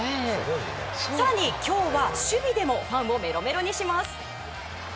更に、今日は守備でもファンをメロメロにします。